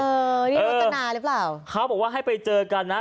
นี่รจนาหรือเปล่าเขาบอกว่าให้ไปเจอกันนะ